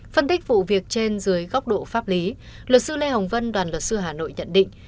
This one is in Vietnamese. phân tích vụ việc trên dưới góc độ pháp lý luật sư lê hồng vân đoàn luật sư hà nội nhận định